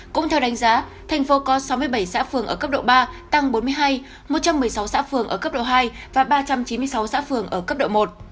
cũng theo đánh giá thành phố có sáu mươi bảy xã phường ở cấp độ ba tăng bốn mươi hai một trăm một mươi sáu xã phường ở cấp độ hai và ba trăm chín mươi sáu xã phường ở cấp độ một